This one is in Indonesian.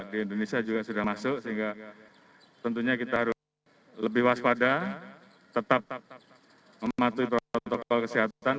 di indonesia juga sudah masuk sehingga tentunya kita harus lebih waspada tetap mematuhi protokol kesehatan